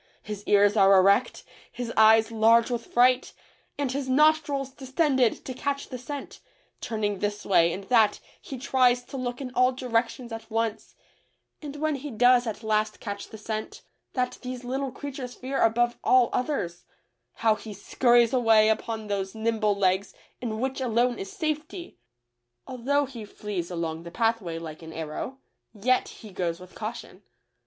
His ears are erect, his eyes large with fright, and his nostrils distended to catch the scent ; turning this way and that he tries to look in all directions at once, and when he does at last catch the scent, — that these little creatures fear above all others,— how he scur ries away upon those nimble legs in which alone is safety ! Although he flees along the pathway like an arrow, yet he goes with caution.